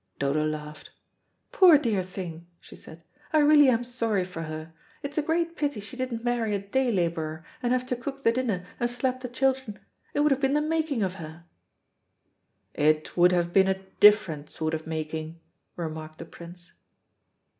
'" Dodo laughed. "Poor dear thing," she said, "I really am sorry for her. It's a great pity she didn't marry a day labourer and have to cook the dinner and slap the children. It would have been the making of her." "It would have been a different sort of making," remarked the Prince.